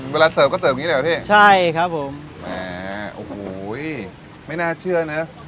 เสิร์ฟก็เสิร์ฟอย่างนี้เลยเหรอพี่ใช่ครับผมโอ้โหไม่น่าเชื่อนะ